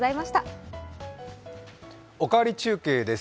「おかわり中継」です。